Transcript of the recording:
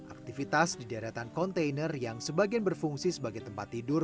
aktivitas di deretan kontainer yang sebagian berfungsi sebagai tempat tidur